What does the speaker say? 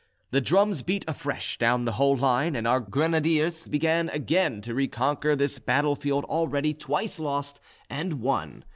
The drums beat afresh down the whole line, and our grenadiers began again to reconquer this battle field already twice lost and won.